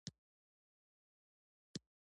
تحقیق دیوه شي اثباتولو ته وايي.